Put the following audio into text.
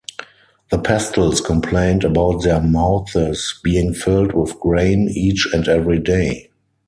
The pestles complained about their mouths being filled with grain each and every day.